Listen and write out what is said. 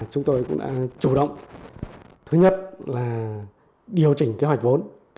chúng tôi cũng đã chủ động thứ nhất là điều chỉnh kế hoạch vốn